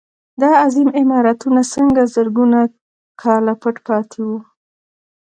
دا عظیم عمارتونه څنګه زرګونه کاله پټ پاتې وو.